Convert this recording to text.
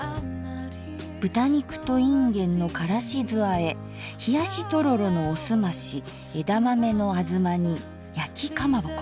「豚肉といんげんのからし酢あえ」「ひやしとろろのおすまし」「枝豆のあづま煮」「やきかまぼこ」。